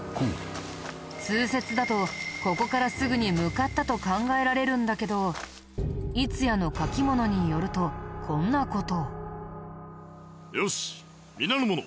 通説だとここからすぐに向かったと考えられるんだけど『乙夜之書物』によるとこんな事を。